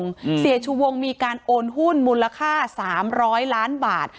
อืมเสียชูวงมีการโอนหุ้นมูลค่าสามร้อยล้านบาท